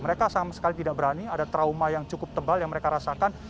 mereka sama sekali tidak berani ada trauma yang cukup tebal yang mereka rasakan